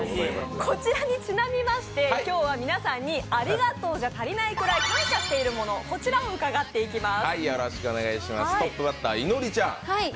こちらにちなみまして、今日は皆さんにありがとうじゃ足りないくらい、感謝しているものを伺っていきます。